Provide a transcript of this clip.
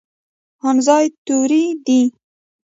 ان زاید توري دي.